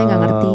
saya gak ngerti